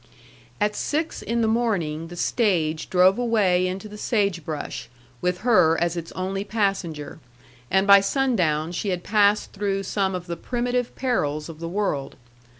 At six in the morning the stage drove away into the sage brush, with her as its only passenger; and by sundown she had passed through some of the primitive perils of the world.